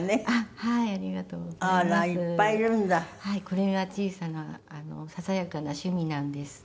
これが小さなささやかな趣味なんです。